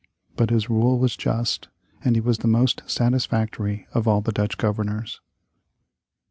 But his rule was just, and he was the most satisfactory of all the Dutch governors.